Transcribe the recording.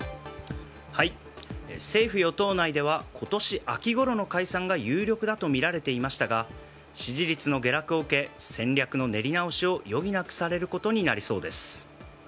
政府・与党内では今年秋ごろの解散が有力だとみられていましたが支持率の下落を受け戦略の練り直しを余儀なくされることになりそうです。